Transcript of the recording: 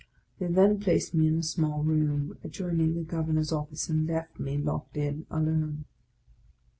They then placed me in a small room adjoining the Gov ernor's office, and left me, locked in, alone.